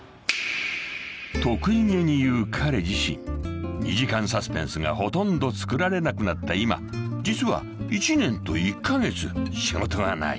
［得意げに言う彼自身２時間サスペンスがほとんど作られなくなった今実は１年と１カ月仕事がない］